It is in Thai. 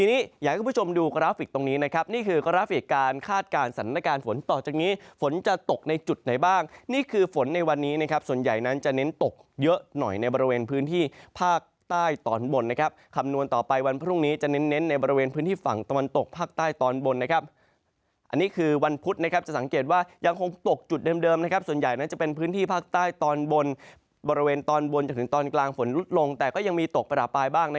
ในบริเวณพื้นที่ภาคใต้ตอนบนนะครับคำนวณต่อไปวันพรุ่งนี้จะเน้นในบริเวณพื้นที่ฝั่งตะวันตกภาคใต้ตอนบนนะครับอันนี้คือวันพุธนะครับจะสังเกตว่ายังคงตกจุดเดิมนะครับส่วนใหญ่นั้นจะเป็นพื้นที่ภาคใต้ตอนบนบริเวณตอนบนจนถึงตอนกลางฝนลุดลงแต่ก็ยังมีตกประหลาปลายบ้างนะ